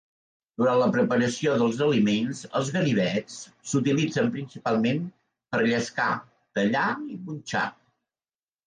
Durant la preparació dels aliments, els ganivets s'utilitzen principalment per llescar, tallar i punxar.